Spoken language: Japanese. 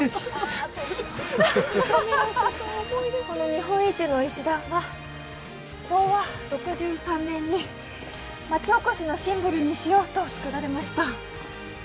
この日本一の石段は昭和６３年に町おこしのシンボルにしようとつくられました。